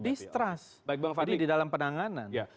distrust jadi di dalam penanganan